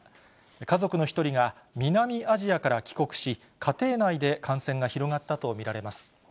家族の１人が南アジアから帰国し、家庭内で感染が広がったと見られます。